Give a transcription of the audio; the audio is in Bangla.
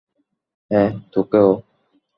হ্যাঁ, তোকেও।